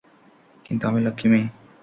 কিন্তু আমি লক্ষ্মী মেয়ে।